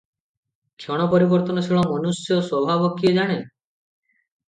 କ୍ଷଣ ପରିବର୍ତ୍ତନଶୀଳ ମନୁଷ୍ୟ ସ୍ୱଭାବ କିଏ ଜାଣେ?